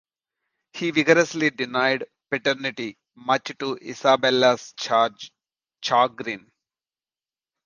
He vigorously denied paternity much to Isabelle's chagrin.